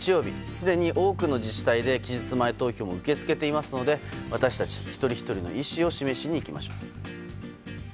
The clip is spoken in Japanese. すでに多くの自治体で期日前投票を受け付けていますので私たち一人ひとりの意思を示しに行きましょう。